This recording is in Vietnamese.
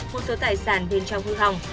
một số tài sản bên trong hư hỏng